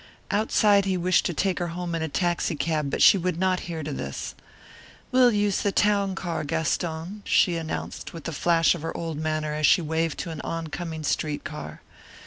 Outside he wished to take her home in a taxi cab, but she would not hear to this. "We'll use the town car, Gaston," she announced with a flash of her old manner as she waved to an on coming street car.